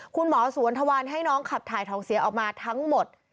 คุณหมอสวนทวารให้น้องขับถ่ายทองเสียออกมาทั้งหมด